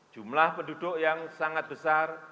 jumlah penduduk yang sangat besar